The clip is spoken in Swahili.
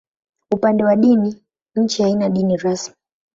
Upande wa dini, nchi haina dini rasmi.